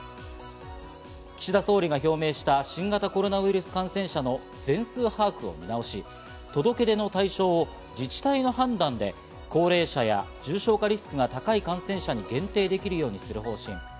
岸田総理が表明した新型コロナウイルス感染者の全数把握を見直し、届け出の対象を自治体の判断で高齢者や重症化リスクが高い感染者に限定できるようにする方針。